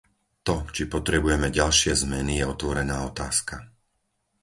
To, či potrebujeme ďalšie zmeny, je otvorená otázka.